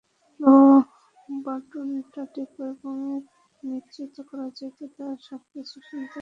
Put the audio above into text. Play বাটনটা টিপো আর নিশ্চিত করো যাতে তারা সবকিছু শুনতে পায়।